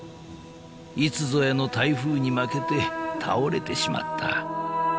［いつぞやの台風に負けて倒れてしまった］